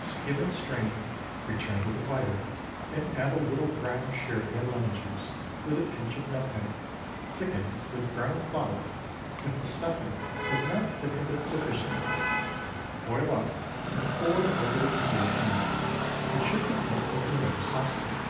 Skim and strain, return to the fire, and add a little brown Sherry and lemon juice, with a pinch of nutmeg; thicken with brown flour, if the stuffing has not thickened it sufficiently, boil up, and pour over the reserved meat, which should be put into another saucepan.